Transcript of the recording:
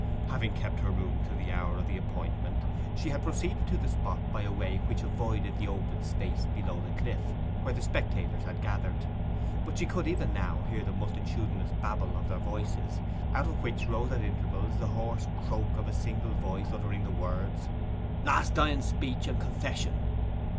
Having kept her room till the hour of the appointment, she had proceeded to the spot by a way which avoided the open space below the cliff where the spectators had gathered; but she could, even now, hear the multitudinous babble of their voices, out of which rose at intervals the hoarse croak of a single voice uttering the words, 'Last dying speech and confession!